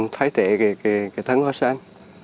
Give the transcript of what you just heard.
thái thể cái thân hoa sen